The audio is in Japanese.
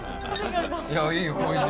いやいいよ。